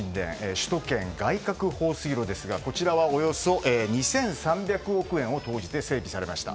首都圏外郭放水路ですがこちらはおよそ２３００億円を投じて整備されました。